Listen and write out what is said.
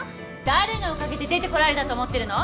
誰のおかげで出てこられたと思ってるの？